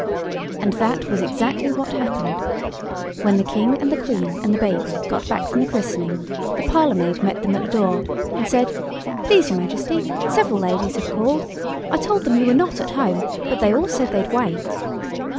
And that was exactly what happened. When the King and the Queen and the baby got back from the christening the parlourmaid met them at the door, and said— "Please, your Majesty, several ladies have called. I told them you were not at home, but they all said they'd wait."